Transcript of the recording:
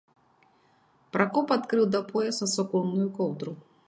Пракоп адкрыў да пояса суконную коўдру.